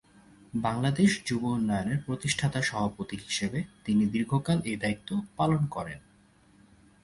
বাংলাদেশ যুব ইউনিয়নের প্রতিষ্ঠাতা সভাপতি হিসেবে তিনি দীর্ঘকাল এ দায়িত্ব পালন করেন।